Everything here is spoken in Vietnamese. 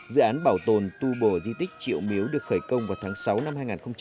dự án bảo tồn tu bổ di tích triệu miếu được khởi công vào tháng sáu năm hai nghìn một mươi chín